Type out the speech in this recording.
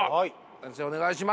先生お願いします。